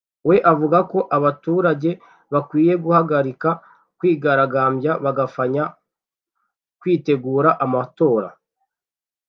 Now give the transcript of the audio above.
we avuga ko abaturage bakwiye guhagarika kwigaragambya bagafanya kwitegura amatora